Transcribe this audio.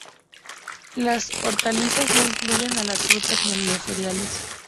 Las hortalizas no incluyen a las frutas ni a los cereales.